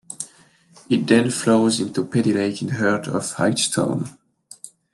It then flows into Peddie Lake in the heart of Hightstown.